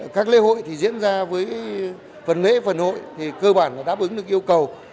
các lễ hội diễn ra với phần lễ phần hội cơ bản đáp ứng được yêu cầu